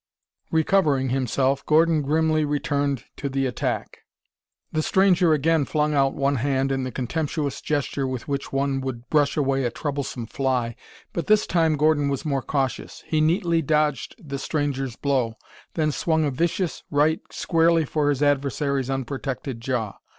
Recovering himself, Gordon grimly returned to the attack. The stranger again flung out one hand in the contemptuous gesture with which one would brush away a troublesome fly, but this time Gordon was more cautious. He neatly dodged the stranger's blow, then swung a vicious right squarely for his adversary's unprotected jaw.